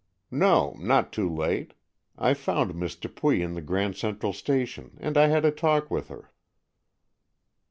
"No, not too late. I found Miss Dupuy in the Grand Central station, and I had a talk with her."